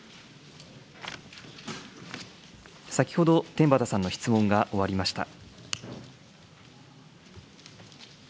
先ほど、天畠さんの質問が終わりました。